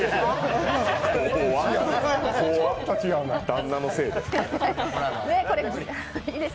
旦那のせいで。